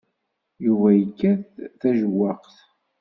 Yuba yekkat tajewwaqt.